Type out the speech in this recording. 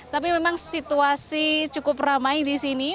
tapi memang situasi cukup ramai di sini